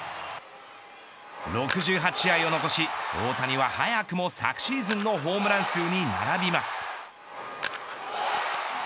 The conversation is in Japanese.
６８試合を残し大谷は早くも昨シーズンのホームラン数に並びます。